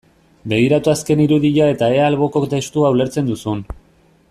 Begiratu azken irudia eta ea alboko testua ulertzen duzun.